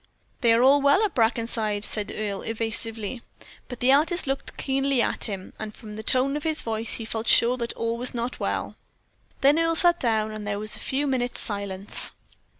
"They are all well at Brackenside," said Earle, evasively. But the artist looked keenly at him, and from the tone of his voice he felt sure that all was not well. Then Earle sat down, and there was a few minutes silence.